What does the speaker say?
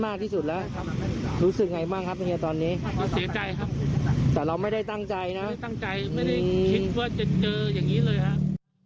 ไม่ได้ตั้งใจไม่ได้คิดว่าจะเจออย่างนี้เลยครับ